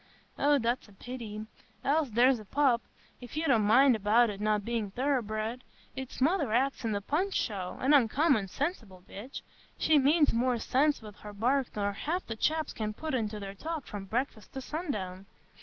"Eh, that's a pity; else there's a pup,—if you didn't mind about it not being thoroughbred; its mother acts in the Punch show,—an uncommon sensible bitch; she means more sense wi' her bark nor half the chaps can put into their talk from breakfast to sundown.